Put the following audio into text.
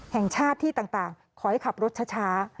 แห่งชาติที่ต่างขอให้ขับรถช้า